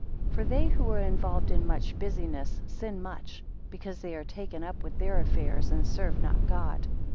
For they who are involved in much business, sin much; because they are taken up with their affairs, and serve not God.